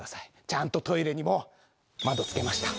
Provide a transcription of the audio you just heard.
ちゃんとトイレにも窓付けました。